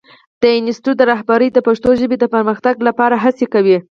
د انسټیټوت رهبري د پښتو ژبې د پرمختګ لپاره هڅې کوي.